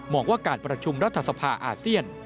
ว่าการประชุมรัฐสภาอาเซียน